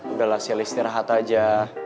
udahlah siapa istirahat aja